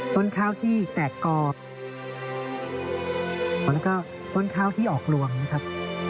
ต้นข้าวที่แตกกอกแล้วก็ต้นข้าวที่ออกหลวงนะครับ